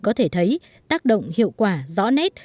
có thể thấy tác động hiệu quả rõ nét